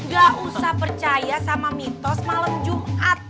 gak usah percaya sama mitos malam jumat